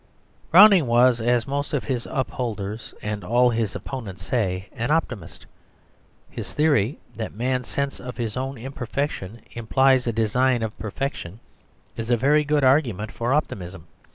Browning was, as most of his upholders and all his opponents say, an optimist. His theory, that man's sense of his own imperfection implies a design of perfection, is a very good argument for optimism.